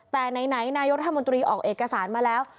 แต่ไหนนายกรัฐมนตรีออกเอกสารมาแล้ว